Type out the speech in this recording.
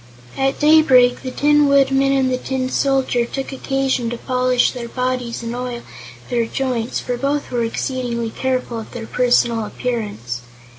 At daybreak the Tin Woodman and the Tin Soldier took occasion to polish their bodies and oil their joints, for both were exceedingly careful of their personal appearance.